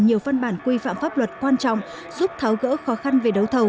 nhiều văn bản quy phạm pháp luật quan trọng giúp tháo gỡ khó khăn về đấu thầu